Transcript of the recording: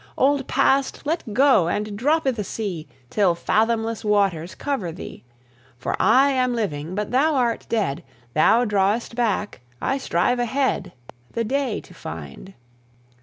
Old Past, let go, and drop i' the sea Till fathomless waters cover thee! For I am living, but thou art dead; Thou drawest back, I strive ahead The Day to find.